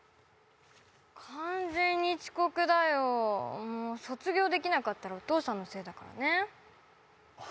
完全に遅刻だよ卒業できなかったらお父さんのせいだからね